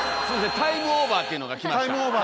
タイムオーバーっていうのがあるのね。